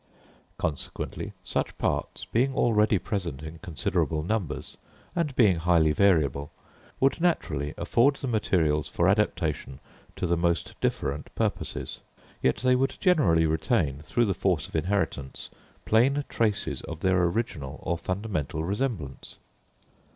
Consequently such parts, being already present in considerable numbers, and being highly variable, would naturally afford the materials for adaptation to the most different purposes; yet they would generally retain, through the force of inheritance, plain traces of their original or fundamental resemblance.